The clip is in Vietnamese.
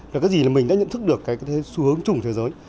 là cái gì là mình đã nhận thức được xu hướng chủng thế giới